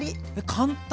簡単！